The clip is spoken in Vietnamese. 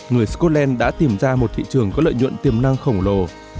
người scotland đã tìm ra một thị trường có lợi nhuận tiềm năng khổng lồ